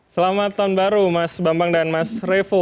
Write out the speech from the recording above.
selamat tahun baru mas bambang dan mas revo